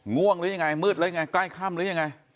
ง่วงหรือยังไงมืดหรือยังไงใกล้ค่ำหรือยังไง